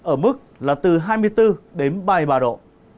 ở mức là từ hai mươi bốn đến ba mươi ba độ